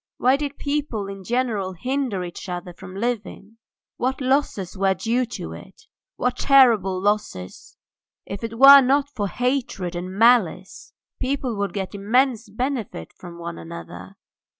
Why did people in general hinder each other from living? What losses were due to it! what terrible losses! If it were not for hatred and malice people would get immense benefit from one another.